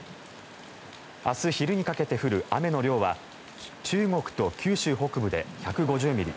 明日昼にかけて降る雨の量は中国と九州北部で１５０ミリ